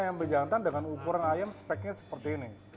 ya jadi perangkatnya jantan dengan ukuran ayam speknya seperti ini